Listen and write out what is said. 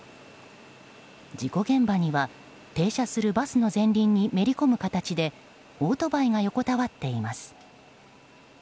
事故現場には停車するバスの前輪にめり込む形でオートバイが横たわっています。